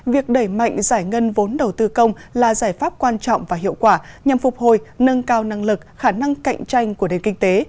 việc đẩy mạnh giải ngân vốn đầu tư công là giải pháp quan trọng và hiệu quả nhằm phục hồi nâng cao năng lực khả năng cạnh tranh của nền kinh tế